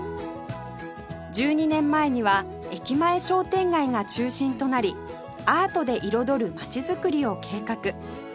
１２年前には駅前商店街が中心となり「アートで彩る街づくり」を計画